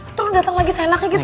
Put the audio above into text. ntar lu datang lagi seenaknya gitu